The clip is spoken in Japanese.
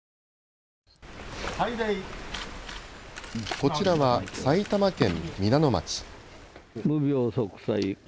こちらは埼玉県皆野町。